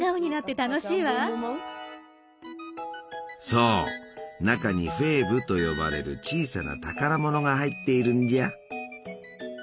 そう中に「フェーブ」と呼ばれる小さな宝物が入っているんじゃ！